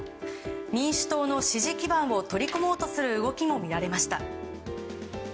民主党の支持基盤を取り込もうとする動きも見られました。